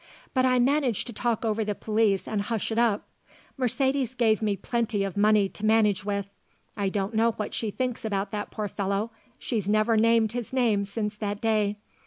But I managed to talk over the police and hush it up. Mercedes gave me plenty of money to manage with. I don't know what she thinks about that poor fellow; she's never named his name since that day.